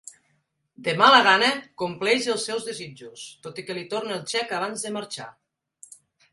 De mala gana, compleix els seus desitjos, tot i que li torna el xec abans de marxar.